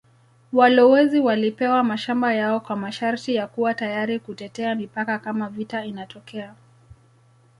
Walowezi walipewa mashamba yao kwa masharti ya kuwa tayari kutetea mipaka kama vita inatokea.